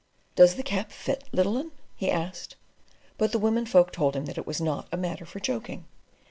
"Does the cap fit, little 'un?" he asked; but the women folk told him that it was not a matter for joking.